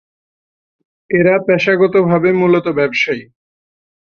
এরা পেশাগতভাবে মূলত ব্যবসায়ী।